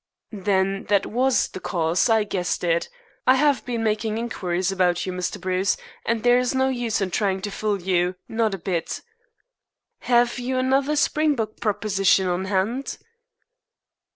"Then that was the cause. I guessed it. I have been making inquiries about you, Mr. Bruce, and there is no use in trying to fool you, not a bit." "Have you another Springbok proposition on hand?"